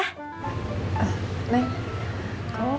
neneng tidur di kamar lain dulu ya